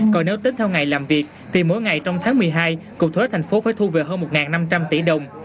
còn nếu tính theo ngày làm việc thì mỗi ngày trong tháng một mươi hai cục thuế thành phố phải thu về hơn một năm trăm linh tỷ đồng